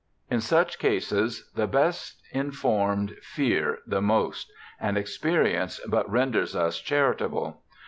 In such cases the Best in formed fear the most, and experience but renders us charitable.